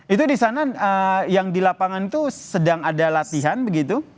itu di sana yang di lapangan itu sedang ada latihan begitu